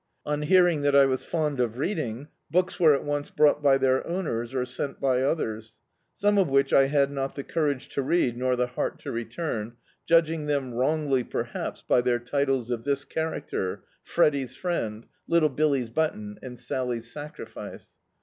On hearing that I was fond of reading, books wefe at once brought by their owners, or sent by others; some of which I had not the courage to read nor the heart to return; judging them wrcHigly perhaps by their titles of this character :— "Freddie's Friend," "little Billie's Button," and "Sally's Sacrifice."